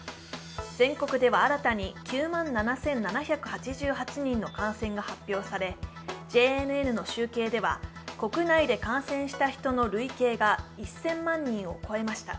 全国では新たに９万７７８８人の感染が発表され、ＪＮＮの集計では国内で感染した人の累計が１０００万人を超えました。